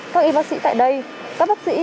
các y bác sĩ tại đây các bác sĩ